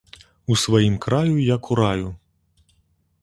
У сваім краю, як у раю